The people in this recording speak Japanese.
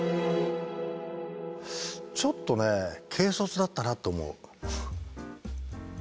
ちょっとね軽率だったなと思う。